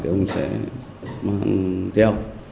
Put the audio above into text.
thì ông sẽ mang theo